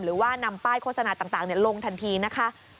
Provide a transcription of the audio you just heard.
หรือว่านำป้ายโฆษณาต่างลงทันทีนะคะ